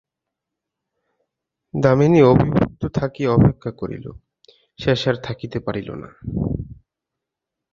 দামিনী অভুক্ত থাকিয়া অপেক্ষা করিল, শেষে আর থাকিতে পারিল না।